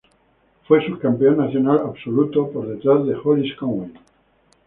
Fue subcampeón nacional absoluto por detrás de Hollis Conway.